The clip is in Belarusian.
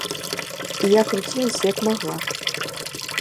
Я круцілася, як магла.